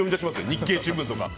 日経新聞とか。